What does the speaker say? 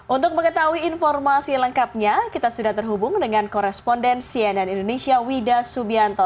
untuk mengetahui informasi lengkapnya kita sudah terhubung dengan koresponden cnn indonesia wida subianto